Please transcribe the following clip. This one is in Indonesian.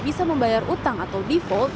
cara pemegang utang luar